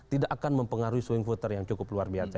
tidak akan mempengaruhi swing voter yang cukup luar biasa